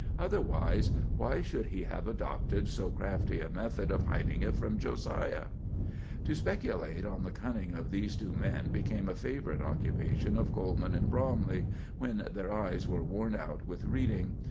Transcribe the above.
Otherwise, why should he have adopted so crafty a method of hiding it from Josiah? To speculate on the cunning of these two men became a favorite occupation of Coleman and Bromley when their eyes were worn out with reading.